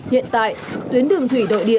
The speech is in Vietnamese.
hiện tại tuyến đường thủy đội địa